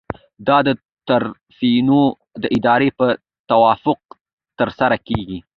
دا د طرفینو د ارادې په توافق ترسره کیږي.